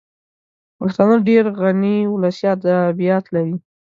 پښتانه ډېر غني ولسي ادبیات لري